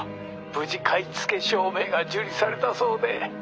無事買付証明が受理されたそうで。